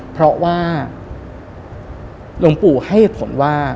เพราะว่าลงปู่ให้ผลว่า